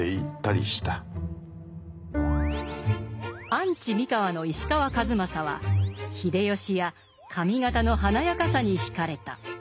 アンチ三河の石川数正は秀吉や上方の華やかさに惹かれた。